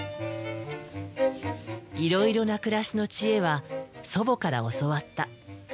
いろいろな暮らしの知恵は祖母から教わった。